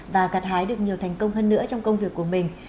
và gạt hái được nhiều thành công hơn nữa trong công việc của mình